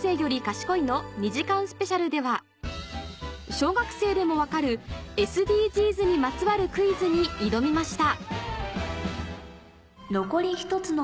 小学生でも分かるＳＤＧｓにまつわるクイズに挑みました